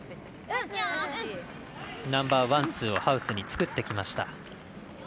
ナンバーワン、ツーをハウスに作ってきました。